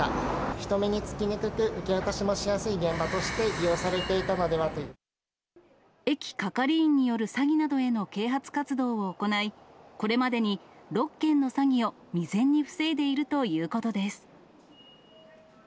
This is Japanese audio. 人目につきにくく、受け渡しもしやすい現場として利用されていた駅係員による詐欺などへの啓発活動を行い、これまでに６件の詐欺を未然に防いでいるということです。